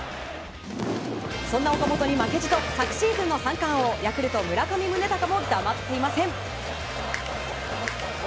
そんな岡本に負けじと昨シーズンの三冠王ヤクルト、村上宗隆も黙っていません。